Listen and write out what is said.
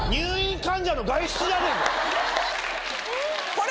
これ。